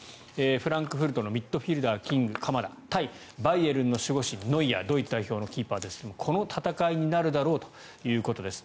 フランクフルトのミッドフィールダーキング、鎌田バイエルンの守護神、ノイアードイツ代表のキーパーですがこの戦いになるだろうということです。